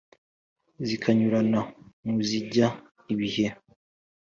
zikànyurana mo zijya ibihe